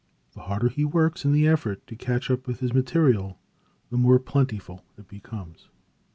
The harder he works in the effort to catch up with his material, the more plentiful it becomes.